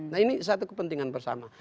nah ini satu kepentingan bersama